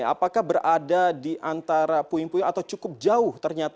apakah berada di antara puing puing atau cukup jauh ternyata